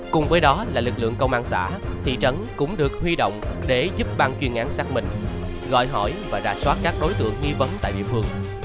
cùng với đó là lực lượng công an xã thị trấn cũng được huy động để giúp bang chuyên án xác minh gọi hỏi và rà soát các đối tượng nghi vấn tại địa phương